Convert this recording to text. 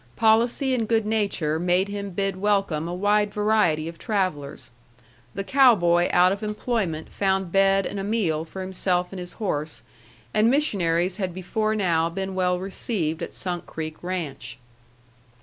Policy and good nature made him bid welcome a wide variety of travellers. The cow boy out of employment found bed and a meal for himself and his horse, and missionaries had before now been well received at Sunk Creek Ranch.